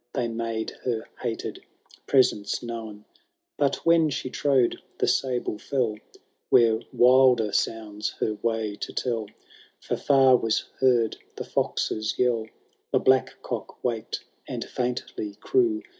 They made her hated presence known ! But when she trode the sahle fell, Were wilder sounds her way to tell, — For far was heard the fox^s yell, The hlack cock waked and faintly crew.